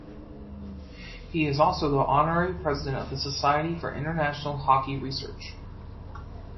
He is also the Honorary President of the Society for International Hockey Research.